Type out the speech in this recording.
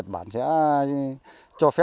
tôi nghĩ đó sẽ